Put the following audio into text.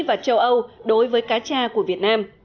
và châu âu đối với cacha của việt nam